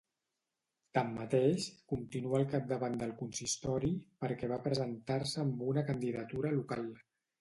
Tanmateix, continua al capdavant del consistori perquè va presentar-se amb una candidatura local.